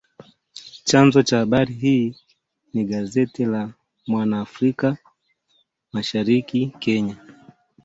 Chanzo cha habari hii ni gazeti la Mwana Afrika Mashariki, Kenya